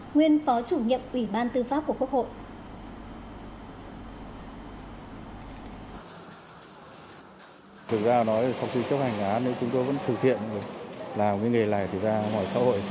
nguyên phó chủ nhiệm ủy ban tư pháp của quốc hội